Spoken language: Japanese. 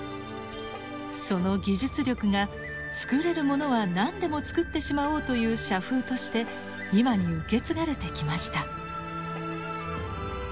その技術力が「作れるものは何でも作ってしまおう」という社風として今に受け継がれてきました。